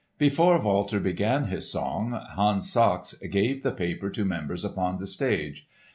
Before Walter began his song, Hans Sachs gave the paper to members upon the stage.